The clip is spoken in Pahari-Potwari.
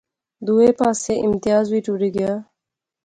دوہے پاسے امتیاز وی ٹری گیا